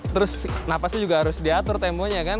terus nafasnya juga harus diatur temponya kan